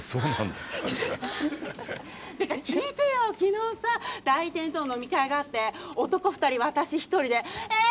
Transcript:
っていうか、聞いてよ、きのうさ、代理店と飲み会があって、男２人、私１人で、えー？